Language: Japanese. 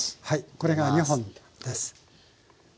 これが２本です。